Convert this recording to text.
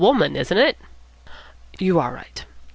Wolmann, isn't it?" "You are right.